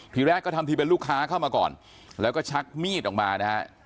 ทีแรกก็ทำทีเป็นลูกค้าเข้ามาก่อนแล้วก็ชักมีดออกมานะฮะ